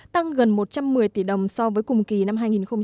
tăng gần một trăm một mươi tỷ đồng so với cùng kỳ năm hai nghìn một mươi tám